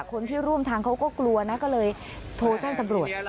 คนที่ร่วมทางเขาก็กลัวนะก็เลยโทรแจ้งตำรวจ